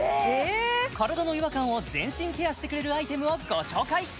体の違和感を全身ケアしてくれるアイテムをご紹介